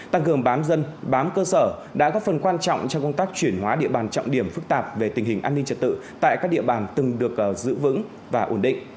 tăng cường bám dân bám cơ sở đã góp phần quan trọng trong công tác chuyển hóa địa bàn trọng điểm phức tạp về tình hình an ninh trật tự tại các địa bàn từng được giữ vững và ổn định